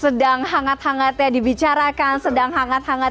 sedang hangat hangatnya dibicarakan sedang hangat hangatnya dibicarakan